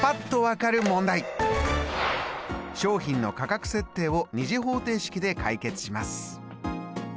商品の価格設定を２次方程式で解決します！